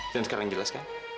dan sekarang jelas kan